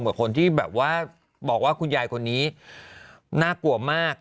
คนที่แบบว่าบอกว่าคุณยายคนนี้น่ากลัวมาก